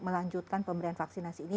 melanjutkan pemberian vaksinasi ini